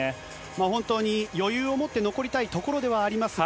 本当に余裕を持って残りたいところではありますが、